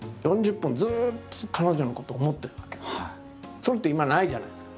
それって今ないじゃないですか？